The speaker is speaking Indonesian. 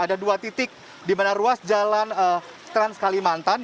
ada dua titik di mana ruas jalan trans kalimantan